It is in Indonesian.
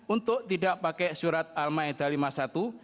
untuk tidak pakai surat al ma'idah lima puluh satu